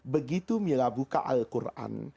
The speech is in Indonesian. begitu mila buka al quran